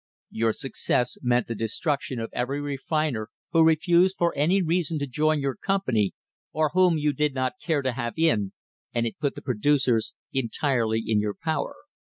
"Your success meant the destruction of every refiner who refused for any reason to join your com pany, or whom you did not care to have in, and it put the producers entirely in your power.